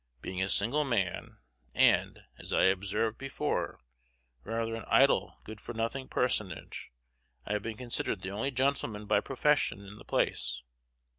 Being a single man, and, as I observed before, rather an idle good for nothing personage, I have been considered the only gentleman by profession in the place.